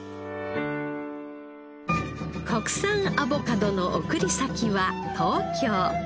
国産アボカドの送り先は東京。